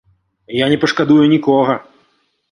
Я не пашкадую нікога!